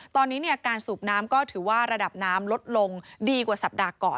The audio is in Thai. ตอนนี้การสูบน้ำก็ถือว่าระดับน้ำลดลงดีกว่าสัปดาห์ก่อน